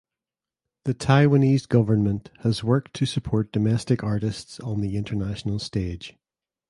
The Taiwanese government has worked to support domestic artists on the international stage.